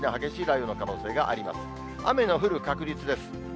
雨の降る確率です。